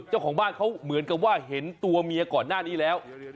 เจ้าของบ้านเขาเหมือนกับว่าเห็นตัวเมียก่อนหน้านี้แล้ว